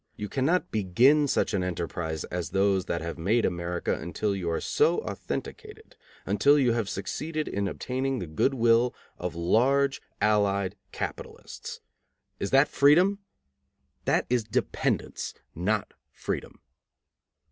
You cannot begin such an enterprise as those that have made America until you are so authenticated, until you have succeeded in obtaining the good will of large allied capitalists. Is that freedom? That is dependence, not freedom.